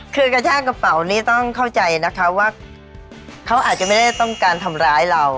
คือกระชากระเป๋านี้ต้องเข้าใจนะคะว่าเขาอาจจะไม่ได้ต้องการทำร้ายเรา